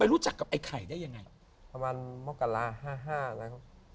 ไปรู้จักกับไอ้ไข่ได้ยังไงประมาณมกราห์ห้าห้านะครับ